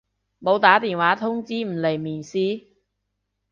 冇打電話通知唔嚟面試？